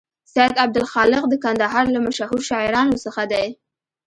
سید عبدالخالق د کندهار له مشهور شاعرانو څخه دی.